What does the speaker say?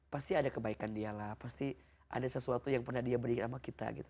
pasti ada kebaikan dia lah pasti ada sesuatu yang pernah dia beri sama kita gitu